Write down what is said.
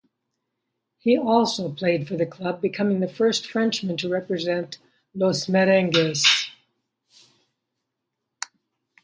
He also played for the club, becoming the first Frenchman to represent "Los Merengues".